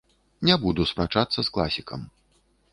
Не буду спрачацца з класікам.